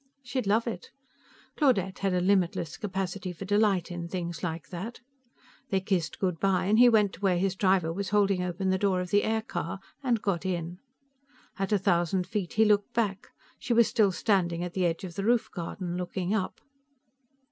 She'd love it. Claudette had a limitless capacity for delight in things like that. They kissed good bye, and he went to where his driver was holding open the door of the aircar and got in. At a thousand feet he looked back; she was still standing at the edge of the roof garden, looking up.